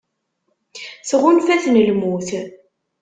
Tɣunfa-ten lmut.